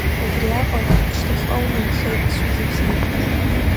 Убриаҟара шьҭахьҟа унхеит, сҩыза бзиа.